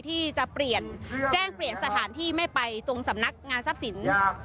ที่จะแจ้งเปลี่ยนสถานที่ไม่ไปตรงสำนักงานทรัพยาศาสตร์สิน